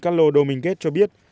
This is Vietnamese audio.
carlo dominguez cho biết